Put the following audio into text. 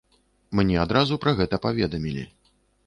Мне адразу пра гэта паведамілі.